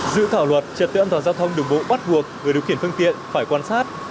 dự thảo luật trật tự an toàn giao thông đường bộ bắt buộc người điều khiển phương tiện phải quan sát